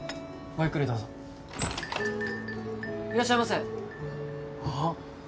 ゆっくりどうぞいらっしゃいませああっ